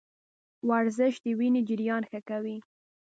ورزش د وینې جریان ښه کوي.